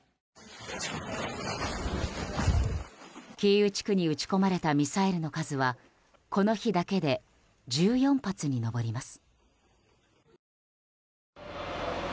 キーウ地区に撃ち込まれたミサイルの数はこの日だけで１４発に上ります。